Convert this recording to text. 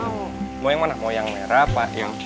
mau yang mana mau yang merah apa yang